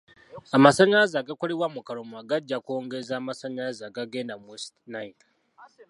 Amasanyalaze agakolebwa mu Karuma gajja kwongeza amasanyalaze agagenda mu West Nile.